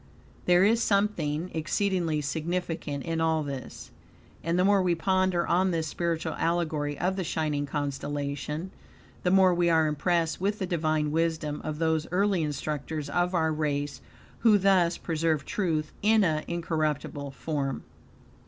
There is something exceedingly significant in all this, and the more we ponder on this spiritual allegory of the shining constellation, the more we are impressed with the divine wisdom of those early instructors of our race, who thus preserved truth in an incorruptible form.